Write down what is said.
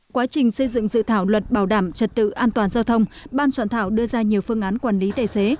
quá trình xây dựng dự thảo luật bảo đảm trật tự an toàn giao thông ban soạn thảo đưa ra nhiều phương án quản lý tài xế